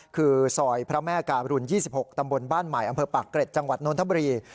คือซอยพระแม่การุณ๒๖ตำบลบ้านใหม่อำเภอปากเกร็ดจังหวัดนทบุรี